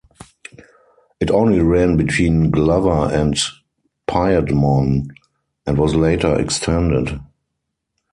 It only ran between Glover and Piedmont and was later extended.